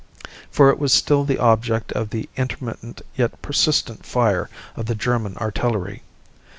For it was still the object of the intermittent yet persistent fire of the German artillery.